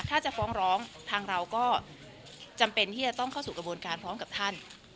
ถ้าจะฟ้องร้องทางเราก็จำเป็นที่จะต้องเข้าสู่กระบวนการพร้อมกับท่าน